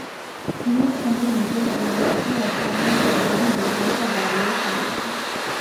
কুমুর সঙ্গে নিজের দুর্লঙ্ঘ অসাম্য কেবলই ব্যাকুলতা বাড়িয়ে তুলছে।